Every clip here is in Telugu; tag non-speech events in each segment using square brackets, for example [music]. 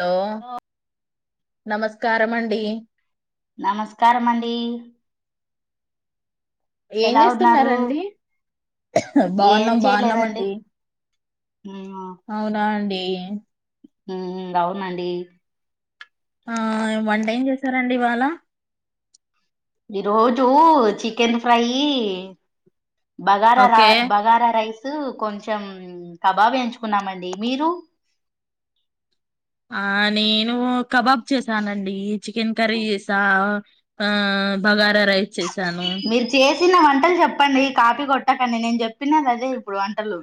హలో నమస్కారమండి అండి నమస్కారమండి ఏం చేస్తున్నారండి ఏం బావున్నాం చేయలేదండి బావున్నామండి అవునా అండి. అ మ్ అవునండి. ఆ వంటేం చేసారండి ఇవాళ ఇ రోజూ చికెన్ ఫ్రై బగారా రా ఓకే బగారా రైస్ కొంచెం కబాబ్ ఎంచుకున్నామండి మీరు ఆ నేను కబాబ్ చేసానండి చికెన్ కర్రీ చేసా ఆ బగార రైస్ చేసాను. సినా వంటలు చెప్పండి, కాపీ కొట్టకండి నేను చెప్పినది అదే ఇప్పుడు వంటలు.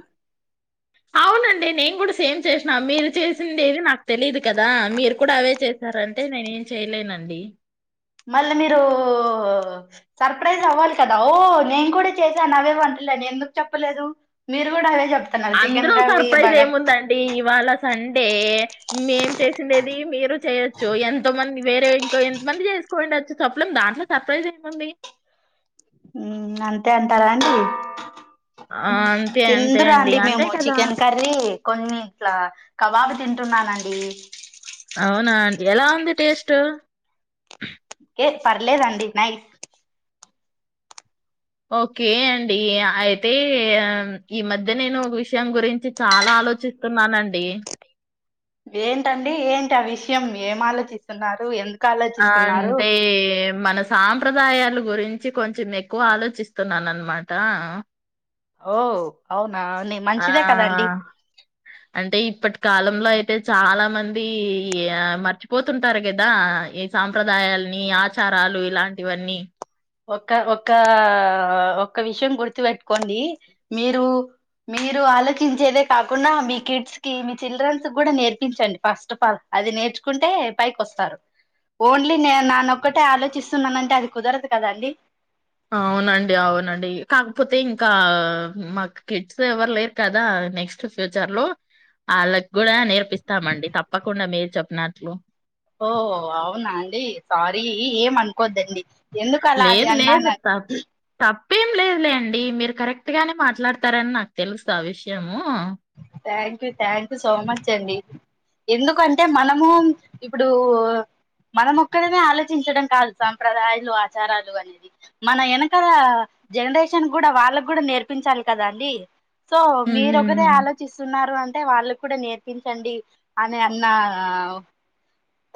అవునండి నేను కూడా సేమ్ చేసినా. మీరు చేసింది ఏది నాకు తెలిదు కదా. మీరు కూడా అవే చేశారంటే నేను ఏం చేయలేనండి. మళ్ళా మీరూ సర్ప్రైజ్ అవ్వాలి కదా. ఓ నేను కూడా చేసాను అవ్వే వంటలు అని ఎందుకు చెప్పలేదు. మీరు కూడా అవే చెప్ప అందులో సర్ప్రైజ్ ఏముందండి ఇవాళ సండే మేం చేసిందేది మీరు చేయొచ్చు ఎంతో మంది వేరే ఇంకా ఎంత మంది చేసుకోని ఉండచ్చు, చప్పలేం దాంట్లో సర్ప్రైజ్ ఏముంది. మ్ అంతే అంటారా అండి. ఆ, అంతే అంతే తిందురా అండి అంతే మేము కదా చికెన్ కర్రీ కొన్ని ఇట్లా కబాబ్ తింటున్నానండి. అవునా అండి. ఎలా ఉంది టేస్ట్? కే పర్లేదండి నైస్. ఓకే అండి అయితే ఆ ఈ మధ్య నేను ఒక విషయం గురించి చాలా ఆలోచిస్తున్నానండి. ఏంటండి ఏంటి ఆ విషయం. ఏం ఆలోచిస్తున్నారు ఎందు ఆ అంటే మనసు సాంప్రదాయలు గురించి కొంచెం ఎక్కువ ఆలోచిస్తున్నాను అన్నమాట. ఓ అవున్ ఆ అంటే ఇప్పటి కాలంలో అయితే చాలా మంది ఆ మర్చిపోతుంటారు కదా ఈ సాంప్రదాయాల్ని, ఆచారాలు ఇలాంటివన్నీ. ఒక ఒక ఒక విషయం గుర్తుపెట్టుకోండి, మీరు మీరు ఆలోచించేదే కాకుండా మీ కిడ్స్ కి మీ చిల్డ్రన్స్ కూడా నేర్పించండి. ఫస్ట్ ఆఫ్ ఆల్ అది నేర్చుకుంటే పైకి వస్తారు. ఓన్లీ నే నానొక్కటే ఆలోచిస్తున్నానంటే అది కుదరదు కదా అండీ. అవునండి. అవునండి, కాకపోతే ఇంకా మాకు కిడ్స్ ఎవరు లేరు కదా నెక్స్ట్ ఫ్యూచర్ లో అలా కూడా నేర్పిస్తామండి తప్పకుండా మీరు చెప్ నాట్లో ఓ అవునా అండి. సారీ ఎంఅనుకోద్దండి. ఎందుకలా అది అన్నాను తప్పెం లేదులేండి. మీరు కరెక్ట్ గానే మాట్లాడతారని నాకు తెలుసు ఆ విషయము. థ్యాంక్యూ థ్యాంక్యూ సో మచ్ అండి. ఎందుకంటే మనము ఇప్పుడు మనం ఒక్కరమే ఆలోచించడం కాదు సాంప్రదాయాలు, ఆచారాలు అనేది. మన వెనకాల జనరేషన్ కూడా వాళ్ళకు కూడా నేర్పించాలి కదా అండి. సో మీరు ఒకదే ఉమ్ ఆలోచ ఉన్నారు అంటే వాళ్ళకు కూడా నేర్పించండి అని అన్న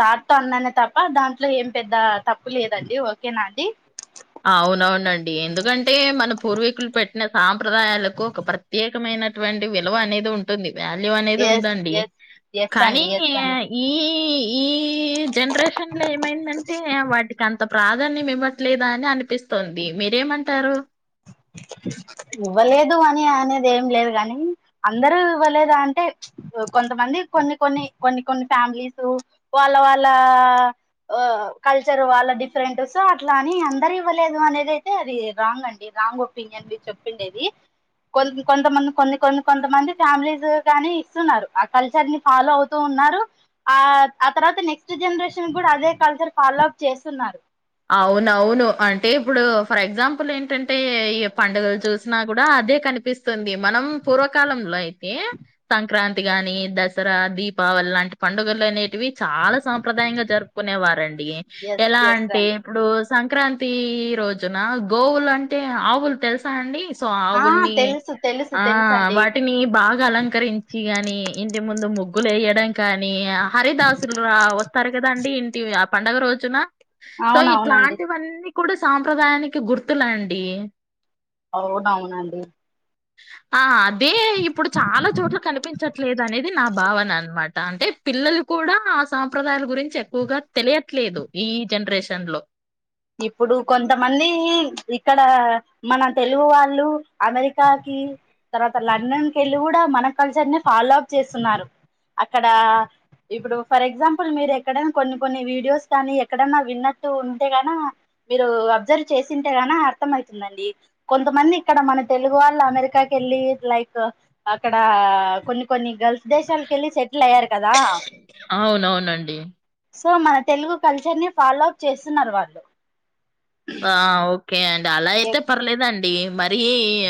తాట్తో అన్నానే తప్ప దాంట్లో ఏం పెద్ద తప్పు లేదండి ఓకే నా అండి. అవునవునండి ఎందుకంటే మన పూర్వీకులు పెట్టిన సాంప్రదాయాలకు ఒక ప్రత్యేకమైనటువంటి విలువ అనేది ఉంటుంది. వాల్యూ అనేది ఎస్ ఉందండి ఎస్ ఎస్ కానీ అండి ఎస్ అండి ఈ ఈ ఈ జనరేషన్ లో ఏమైందంటే, అ వాటికి అంత. ప్రాధాన్యం ఇవ్వట్లే. ఇలానే అని అనిపిస్తుంది, మీరేమంటారు. ఇవ్వలేదు అని అనేది ఏం లేదు గానీ, అందరూ ఇవ్వలేదు అంటే, కొంతమంది కొన్ని కొన్ని కొన్ని కొన్ని ఫ్యామిలీసు, వాళ్ళ వాళ్ళా ఒ, కల్చర్ వాళ్ళ డిఫరెంట్స్ అట్లా అని అందరు ఇవ్వలేదు అనేది అయితే అది రాంగ్ అండి. రాంగ్ ఒపీనియన్ చెప్పిండేది, కొ కొంతమంది కొన్నీ కొన్నీ కొంతమంది ఫ్యామిలీస్ గాని, ఇస్తున్నారు, ఆ కల్చర్ ని ఫాలో అవుతూ ఉన్నారు, ఆ ఆ తర్వాత నెక్స్ట్ జనరేషన్ కూడా అదే కల్చర్ ఫాలో అప్ చేస్తున్నారు. అవునవును, అంటే ఇప్పుడు, ఫర్ ఎగ్జాంపుల్ ఏంటంటే, ఈ పండుగలు చూసినా కూడా అదే కనిపిస్తుంది, మనం పూర్వకాలంలో అయితే, సంక్రాంతి గాని దసరా దీపావళి లాంటి పండుగలు అనే. ఇవి చాలా సాంప్రదాయంగా జరుపుకునేవారండి ఎ ఎస్ ఎలా అ. ఎస్ అంటే అండి ఇప్పుడుస్. సంక్రాంతీ, రోజున గోవులు అంటే ఆవులు తెలుసా అండి స్. సో ఆ ఆవుల్ని తెలుసు తెలుసు ఆ తెలుసు అండి వాటిని బాగా అలంకరించి గాని. నీ ఇంటి ముందు ముగ్గులు ఎయడం కానీ. అ. హరిదాసుల్రా అ వొ. ఉంటారు కదండి ఇంటి ఆ పండుగ రోజున. సో అవునవునండి ఇట్లాంటివన్నీ. కూడా సాంప్రదాయానికి గుర్తులండి. అవునావునా అండి. ఆ. ఇదే ఇప్పుడు చాలా చోట్ల కనిపించట్లేదు అనేది. ఇది భావన అన్నమాట అంటే పిల్లలు కూడా ఆ సాప్రదాయాల గురించి ఎక్కువగా తెలియట్లేదు ఈ. జనరేషన్ లో. ఇప్పుడు కొంతమందీ, ఇక్కడ మన తెలుగు వాళ్ళు అమెరికాకి, తర్వాత లండన్కి ఎళ్ళి కూడా మన కల్చర్ ని ఫాలో అప్ చేస్తున్నారు, అక్కడ, ఇప్పుడు ఫర్ ఎగ్జాంపుల్ మీరు ఎక్కడ, కొన్ని కొన్ని వీడియోస్ కానీ ఎక్కడైనా విన్నట్టు ఉంటే గా. నా మీరు అబ్జర్వ్ చేసింటే గన అర్థం అవుతుందండి, కొంతమంది ఇక్కడ మన తెలుగు వాళ్ళు అమెరికాకి కెళ్ళి లైక్ అక్కడ కొన్ని కొన్ని. గల్ఫ్ దేశానికి కెళ్ళి సెట్ట్ల అయ్యారు కదా. అవునవునండి. సో మన తెలుగు కల్చర్ ని ఫాలో అప్ చేస్తున్నారు వాళ్ళు. ఆ ఓ. ఓకే అండి అలా అయితే ఎస్ పర్లేదండి. అంటే మరి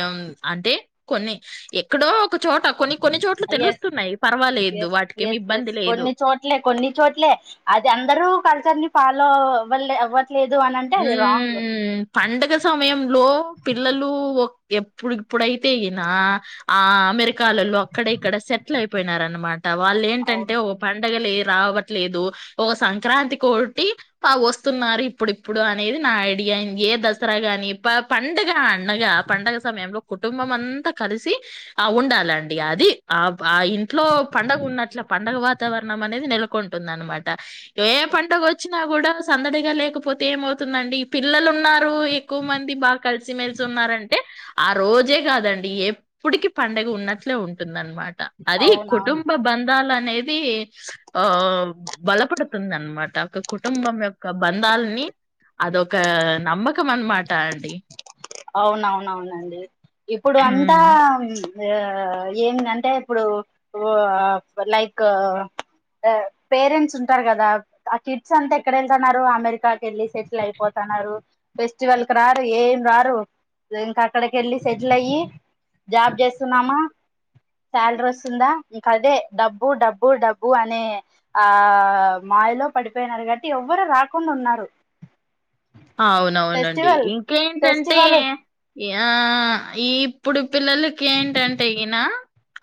ఆమ్ అంటే కొన్ని ఎక్కడో. చోట కొన్ని కొన్ని చోట్ల ఎస్, తెలుస్తున్నాయి. పర్వాలేదు ఎస్, వాటికేమి ఎస్, ఎస్, ఇబ్బంది లేదు. కొన్ని చోట్లే కొన్ని చోట్లే, అది అందరు కల్చర్ ని. పాలో ఓవల్ లే ఓవల్. ఉమ్ పడుగ సమయంలో పిల్లలు. ఎప్పుడు ఇప్పుడైతే ఈయన, ఆ అమెరికాాలలో, అక్కడ ఇక్కడ సెట్ల అయిపోయినార అన్నమా. వాళ్ళు అవును ఏంటంటే ఓ పండగలే. రావట్లేదు, ఒక సంక్రాంతి కోటి అ వస్తున్నారు ఇప్పు. ఇప్పుడు అనేది నా ఐడియా ఏ దసరా గాని ప పండగ అండగా పండగ సమయంలో కుటుంబం అంతా కలిసి, ఆ ఉండాలండి అది, ఆ ఆ ఇంట్లో పండుగ ఉన్నట్ల పండగ వాతావరణం అనేది నెలకొంటుంద అన్నమాట. ఎ పండగొచ్చి. నా కూడా సందడిగా లేకపో. ఏమవుతుందండి? పిల్లలు ఉన్నారు ఎక్కువ మంది బాగా కలిసిమెలిసి ఉన్నారంటే, ఆ రోజే కాదండి ఎప్పటికి పండుగ ఉన్న ట్లే ఉంటుందండి. మాట, అది అవునవును కుటుంబ బందాల అన్ అనేది ఆ బలపడుతుంది అనమాట ఒకొక్క కుటుంబం యొక్క బంధాలని. అదొక నమ్మకం అన్నమాట అండి. అవునవునవునండి! ఇప్పుడు అంతా ఉమ్. ఏందంటే ఇప్పుడు లైక్ పేరెంట్స్ ఉంటారు కదా! ఆ కిడ్స్ అంతా ఎక్కడ వెళ్తున్నారు? అమెరికాకి వెళ్ళి సెటిల్ అయిపోతున్నారు. ఫెస్టివల్ కు రారు ఏం రారు. ఇంకా అక్కడిక వెళ్ళి సెటిల్ అయ్యి, జాబ్ చేస్తున్నామా సాలరీ వస్తుందా ఇంక అదే డబ్బు డబ్బు డబ్బు అనే ఆ మాయలో పడిపోయినారు. కాట్టి ఎవ్వరు రాకుండా ఉన్నారు. అవునవునండి ఫెస్టివల్ ఇంకేంటి? ఫెస్టివల్ ఆ ఈ ఇప్పుడు పిల్లలకి ఏంటంటే ఈయన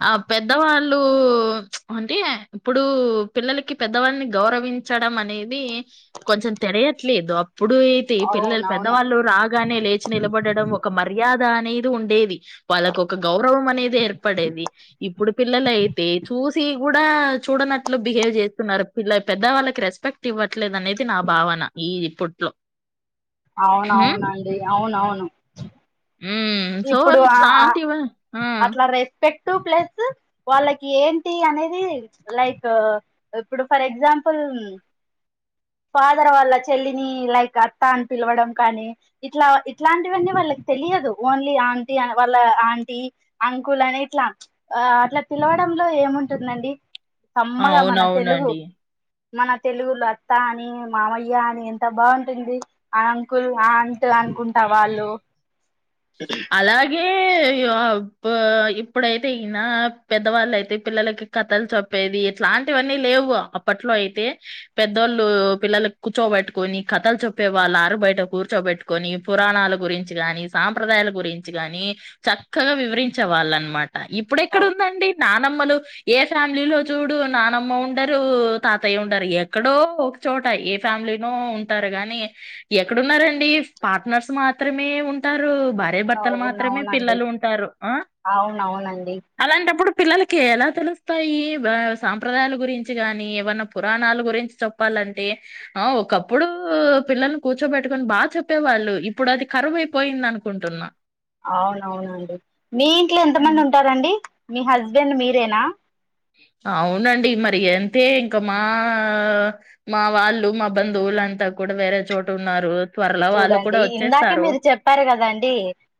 ఆ పెద్దవాళ్ళు అంటే ఇప్పుడు పిల్లలకి పెద్దవాళ్ళని గౌరవించడం అనేది కొంచెం తెలియట్లేదు అప్పుడు. పిల్లలు అవునవును పెద్దవాళ్ళు రాగానే లేచి నిలబడడం ఒక మర్యాద. అనే ఉండేవి. వాళ్ళకు ఒక గౌరవం అనేది ఏర్పడేది. ఇప్పుడు పిల్లల అయితే చూసి... కూడా చూడనట్లు బిహేవ్ చేస్తున్నారు. పెద్ద వాళ్ళకి రెస్పెక్ట్ ఇవ్వట్లేదు అనేది నా భావన. ఈ ఇప్పట్లో. హ్మ్. అవునవునండి అవునవును. హ్మ్. సో, ఇప్పుడు ఆ ఆ ఇట్లాంటివ ఆ! అట్లా రెస్పెక్ట్. దటూ, ప్లస్ వాళ్ళకి ఏంటి అనేది లైక్ ఇప్పుడు ఫర్ ఎగ్జాంపుల్ ఫాదర్ వాళ్ళ చెల్లిని లైక్ అత్తా అని పిలవడం కానీ ఇట్లా ఇట్లాంటివన్నీ వాళ్ళకి తెలియదు. ఓన్లీ ఆంటీ వాళ్ళ ఆంటీ అంకుల్ అని ఇట్లా ఆ అట్లా పిలవడంలో ఏముంటుందండి? సమ్మగా మన తెలుగు. అవునవునండి. మన తెలుగులో అత్తా అని మామయ్య అని ఎంత బాగుంటుంది. ఆ అంకుల్ ఆంట్ అట్లా అనుకుంటా వాళ్ళు. అలాగే ఇప్పుడైతే ఈనా పెద్దవాళ్ళ అయితే పిల్లలకి కథలు చెప్పేది ఇట్లాంటివన్నీ లేవు. అప్పట్లో అయితే పెద్దోళ్ళు పిల్లల కూచ్చో బెట్టుకొని కథలు చప్పే వాళ్ళు. ఆరు బయట కూర్చోబెట్టుకొని పురాణాల గురించి కాగాని సాంప్రదాయాల గు గురించి గాని చక్కగా వివరించ వాళ్ళు అన్నమాట. ఇప్పుడెక్కడ అవు ఉందండి నానమ్మలు ఏ ఫ్యామిలీలో చూడు నానమ్మ ఉండరు, తాతయ్య ఉండరు. ఎక్కడో ఒక చోట ఏ ఫ్యామిలీనో ఉంటారు గాని, ఎక్కడున్నారండి? పార్ట్నర్స్ మాత్రమే ఉంటారు. [unintelligible] భర్తలు మాత్రమే అవునవునండి పిల్లలు ఉంటారు. అవునవునండి అలాంటప్పుడు పిల్లలకి ఎలా తెలుసు? వస్తాయి సాంప్రదాయాల గురించి గాని ఏవన్నా పురాణాల గురించి చెప్పాలంటే ఆ ఒకప్పుడు పిల్లల్ని కూర్చోబెట్టుకుని బాగ చెప్పేవాళ్ళు ఇప్పుడు అది కరువైపోయింది అనుకుంటున్నా. అవునవునండి. మీ ఇంట్లో ఉమ్. ఎంతమంది ఉంటారండి? మీ హస్బెండ్ మీరేనా? అవునండి మరి, అంతే ఇంకా మా మా వాళ్ళు మా బంధువులంతా కూడా వేరే చోటు ఉన్నారు. త్వరలో వాళ్ళు చూడండి కూడా ఇందాకే వచ్చేస్తారు మీరు చెప్పారు కదండి.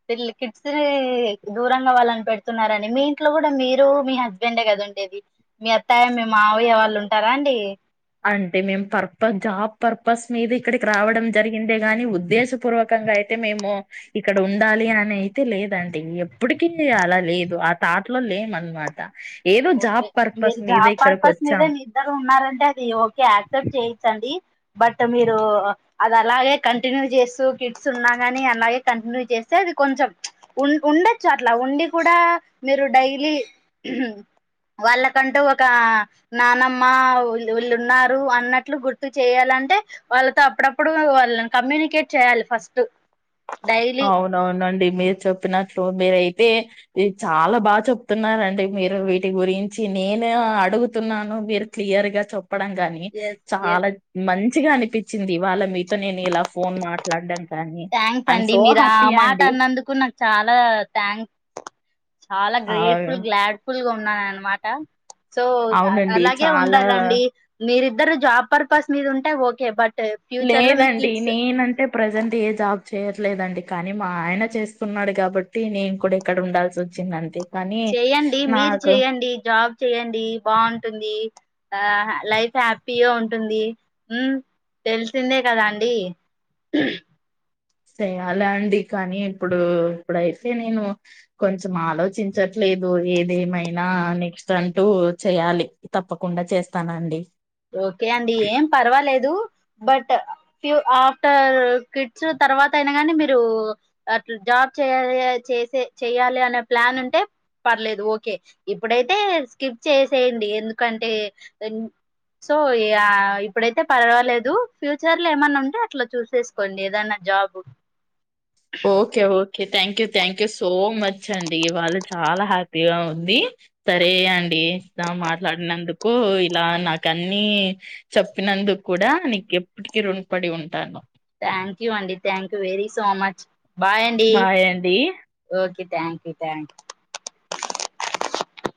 వీళ్ళు కిడ్స్. దూరంగా వాళ్ళని పెడుతున్నారండి మీ ఇంట్లో కూడా మీరు మీ హస్బెండే కదా ఉండేది? మీ అత్తయ్య మీ మావయ్య వాళ్ళు ఉంటారా అండి? అంటే, మేము పర్పస్ జాబ్ పర్పస్ మీద ఇక్కడికి రావడం జరిగిందే గాని, ఉద్దేశపూర్వకంగా అయితే మేము ఇక్కడ ఉండాలి అని అయితే లేదండి. ఎప్పటికి అలా లేదు అన్నమాట ఆ తాట్ లో లేము అన్నమాట. ఓకే మీరు జాబ్ పర్పస్ మీద వచ్చాం మీ ఇద్దరు ఉన్నారంటే అది ఓకే యాక్సెప్ట్ చేయిచ్చండి బట్ మీరు అది అలాగే కంటిన్యూ చేస్తూ కిట్స్ ఉన్నా కాని అలాగే కంటిన్యూ చేస్తే అది కొంచెం ఉండొచ్చు అట్లా ఉండి కూడా మీరు డైలీ వాళ్ళకంటూ ఒక నానమ్మ వీళ్ళు ఉన్నారు అన్నట్లు గుర్తు చేయాలంటే వాళ్ళతో అప్పుడప్పుడు వాళ్ళని కమ్యూనికేట్ చేయాలి ఫస్ట్ డైలీ అవునవునండి మీరు చెప్పినట్లు మీరయి యితే చాలా బాగా చెప్తున్నారండి మీరు వీటి గురించి నేను అడుగుతున్నాను మీరు క్లియర్ గా చె చెప్పడం గాని ఎస్ ఎస్ చాలా మం మంచిగా అనిపించింది వాళ్ళ మీతో నేను ఇలా ఫోన్ మాట్లాడడాను కానీ థ్యాంక్స్ ఐఎమ్ అండి సో మీరు ఆ హ్యాపీ మాట అండి అన్నందుకు నాకు చాలా థ్యాంక్స్ చాలా అవును గ్రేట్ఫుల్ గ్లాడ్ఫుల్ గా ఉ అన్నా అనమాట సో అవునండి అలాగే చాలా ఉండాలండి మీరు ఇద్దరు జాబ్ పర్పస్ మీద ఉంటే ఓకే బట్ ఫ్యూచర్ లో మీ లేదండి కిడ్స్ నేనంటే ప్రజెంట్ ఏ జాబ్ చేయట్లేదండి కానీ మా ఆయన చేస్తున్నాడు కాబట్టి నేను కూడా ఇక్కడ ఉండాల్సి వచ్చిందంతే చేయండి మీరు చేయండి జాబ్ చెయండి బాగుంటుంది ఆ లైఫ్ హ్యాపీగా ఉంటుంది హమ్ తెలిసిందే కదా అండి చేయాలా అండి కానీ ఇప్పుడు ఇప్పుడైతే నేను కొంచెం ఆలోచించట్లేదు ఏదమైనా నెక్స్ట్ అంటూ చేయాలి తప్పకుండా చేస్తాను అండి ఓకే అండి ఏం పర్వాలేదు బట్ ఫ్యూ ఆఫ్టర్ కిట్స్ తర్వాత అయినా కానీ మీరు అట్లా జాబ్ చేయాలి చేసే చెయాలి అనే ప్లాన్ ఉంటే పర్లేదు ఓకే ఇప్పుడైతే స్కిప్ చేసేయండి ఎందుకంటే సో ఇప్పుడైతే పర్వాలేదు ఫ్యూచర్ లో ఏమన్నా ఉంటే అట్లా చూసేసుకోండి ఏదనా job okay. Okay thank you thank you so much అండి వాళ్ళు చాలా హ్యాపీగా ఉంది సరే అండి మాట్లాడినందుకు ఇలా నాకు అన్ని చెప్పినందుకు కూడా నీకు ఎప్పటికి రుణపడి ఉంటాను థ్యాంక్ యూ అండి thank you very so much bye అండి బాయ్ అండి. Okay thank you thank you